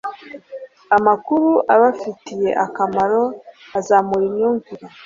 amakuru abafitiye akamaro, azamura imyumvire